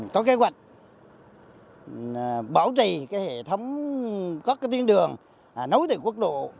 có kế hoạch bảo trì cái hệ thống các cái tiến đường nối từ quốc lộ